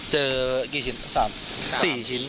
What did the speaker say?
เจอกี่ชิ้น๓๔ชิ้น